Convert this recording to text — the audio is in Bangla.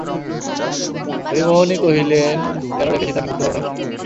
হরিমোহিনী কহিলেন, কেন রেখেছি তা কি বুঝতে পার না?